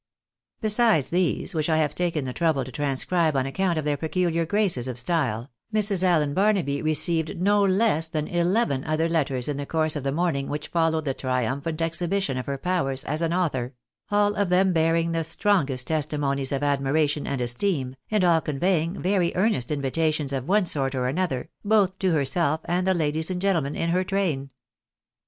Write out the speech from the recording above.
Besides these, which I have taken the trouble to transcribe on account of their peculiar graces of style, Mrs. Allen Barnaby re ceived no less than eleven other letters in the course of the morning which followed the triumphant exhibition of her powers as an author, all of them bearing the strongest testimonies of admiration and esteem, and all conveying very earnest invitations of one sort or another, both to herself and the ladies and gentlemen in her train.